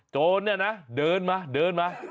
โจรเนี่ยนะเดินมาเดินมา